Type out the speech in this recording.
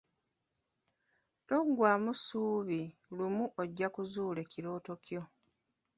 Toggwaamu ssuubi, lumu ojja kuzuula ekirooto kyo.